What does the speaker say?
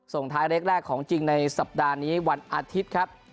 ส่งท้ายเล็กแรกของจริงในสัปดาห์นี้วันอาทิตย์ครับ